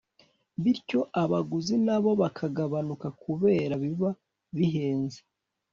bityo abaguzi nabo bakagabanuka kubera biba bihenze